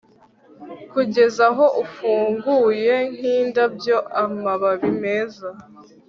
kugeza aho ufunguye nk'indabyo, amababi meza